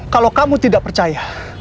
kalau kamu tidak percaya